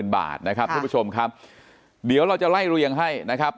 บาทนะครับทุกผู้ชมครับเดี๋ยวเราจะไล่เรียงให้นะครับ